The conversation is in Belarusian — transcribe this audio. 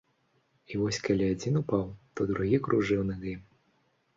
І вось калі адзін упаў, то другі кружыў над ім.